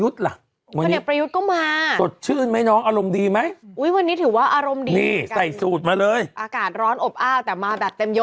สื่อออนไลน์ก็เลย